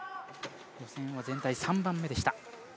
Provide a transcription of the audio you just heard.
予選は全体３番目でした。